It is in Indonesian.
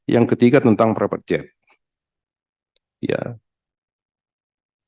yang ketiga tentang perangkat yang terakhir ini adalah